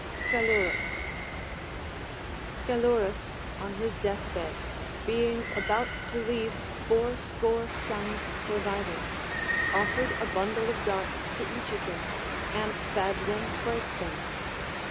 SciLURUs. Scilurus on his death bed, being about to leave fourscore sons surviving, offered a bundle of darts to each of them, and bade them break them.